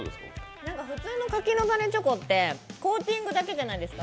普通の柿の種チョコってコーティングだけじゃないですか。